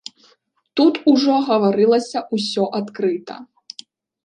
Тут ужо гаварылася ўсё адкрыта.